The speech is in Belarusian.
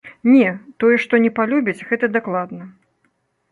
Не, тое, што не палюбіць, гэта дакладна.